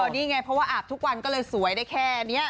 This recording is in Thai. นี่ไงเพราะว่าอาบทุกวันก็เลยสวยได้แค่นี้